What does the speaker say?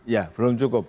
ya belum cukup